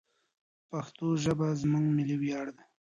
پښتو ژبه زموږ ملي ویاړ دی.